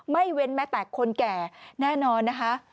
ไม่เวรแม้แตกคนแก่แน่นอนนะคะ